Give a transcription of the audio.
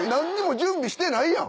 準備してるやん。